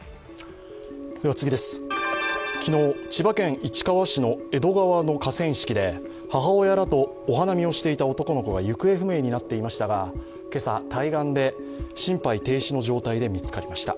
昨日、千葉県市川市の江戸川の河川敷で母親らとお花見をしていた男の子が行方不明になっていましたが、今朝、対岸で心肺停止の状態で見つかりました。